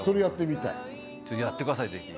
やってください、ぜひ。